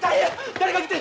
誰か来て！